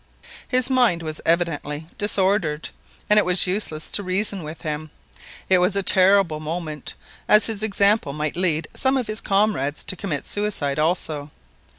His mind was evidently disordered, and it was useless to reason with him. It was a terrible moment, as his example might lead some of his comrades to commit suicide also.